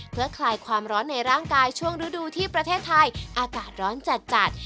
เพื่อคลายความร้อนในร่างกายช่วงฤดูที่ประเทศไทยอากาศร้อนจัด